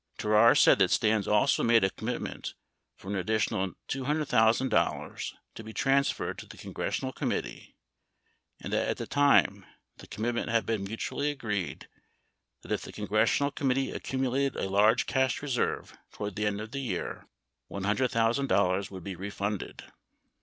Terrar said that Stans also made a commitment for an additional $200,000 to be transferred to the congressional committee, and that, at the time the commitment had been mutually agreed that if the congressional committee accumulated a large cash reserve toward the end of the year, $100,000 urnuld be refunded.